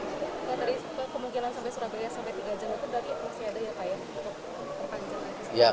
tadi kemungkinan sampai surabaya sampai tiga jam itu lagi prosedur yang terpanjang